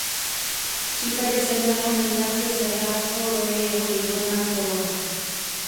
V případě sedmého mlýna zde sehrála svou roli jeho výhodná poloha.